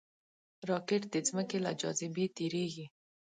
راکټ د ځمکې له جاذبې تېریږي